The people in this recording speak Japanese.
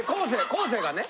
昴生がね！